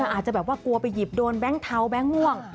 อาจจะแบบว่ากลัวไปหยิบโดนแบงค์เทาแบงค์ม่วง